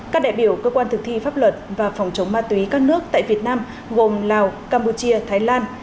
các đại biểu cơ quan thực thi pháp luật và phòng chống ma túy các nước tại việt nam gồm lào campuchia thái lan